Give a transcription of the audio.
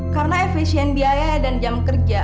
karena efesien biaya dan jam kerja